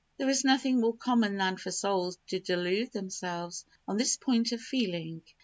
There is nothing more common than for souls to delude themselves on this point of feeling.